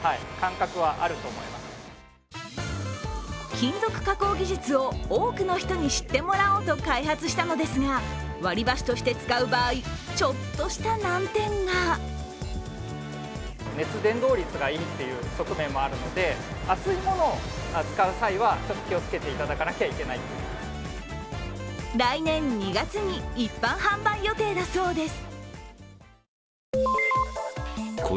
金属加工技術を多くの人に知ってもらおうと開発したのですが、割り箸として使う場合、ちょっとした難点が来年２月に一般販売予定だそうです。